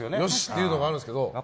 いうのがあるんですけど。